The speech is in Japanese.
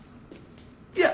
いや。